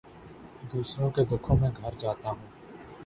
دوسروں کے دکھوں میں گھر جاتا ہوں